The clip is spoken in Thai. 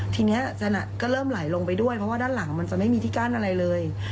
ทีนี้ก็เริ่มไหลลงไปด้วยเพราะว่าด้านหลังมันจะไม่มีที่กั้นอะไรเลย